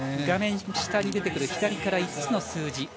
画面下に出てくる左から５つの数字